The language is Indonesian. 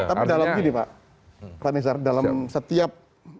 tapi dalam gini pak pak nisar dalam setiap